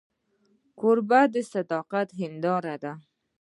کوربه د صداقت هنداره ده.